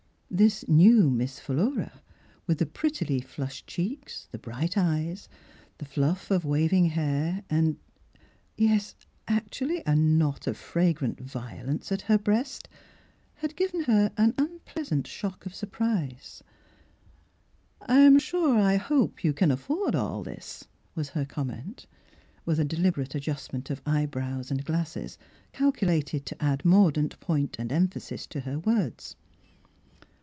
This new Miss Philura, with the prettily flushed cheeks, the bright eyes, the fluff of waving hair, and — yes, actually a knot 37 The Transfiguration of of fragrant violets at her breast, had given her an unpleasant shock of surprise. "I am sure ^ hope you can afford all this," was her comment, with a de liberate adjustment of eyebrows and glasses calculated to add mordant point and emphasis to her words.